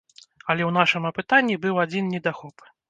Але ў нашым апытанні быў адзін недахоп.